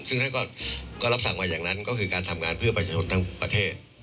ซึ่งท่านก็รับสั่งมาอย่างนั้นก็คือการทำงานเพื่อประชาชนทั้งประเทศ